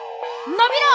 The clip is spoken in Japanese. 伸びろ！